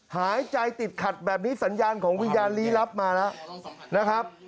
หายใจติดขัดแบบนี้สัญญาณวิทยาลีเอาลับมานะครับ